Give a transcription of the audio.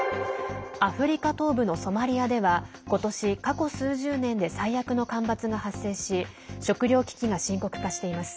アフリカ東部のソマリアでは今年、過去数十年で最悪の干ばつが発生し食料危機が深刻化しています。